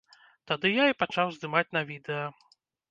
Тады я і пачаў здымаць на відэа.